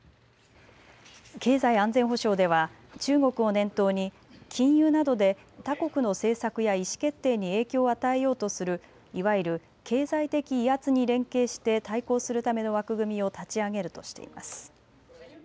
経済安全保障では中国を念頭に禁輸などで他国の政策や意思決定に影響を与えようとするいわゆる経済的威圧に連携して対抗するための枠組みを立ち上げるとしています。